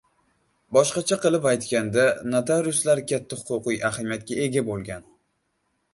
Boshqacha qilib aytganda, notariuslar katta huquqiy ahamiyatga ega bo‘lgan